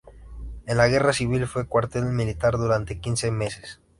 En la Guerra Civil fue cuartel militar durante quince meses.